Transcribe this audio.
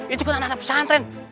itu kan anak anak pesantren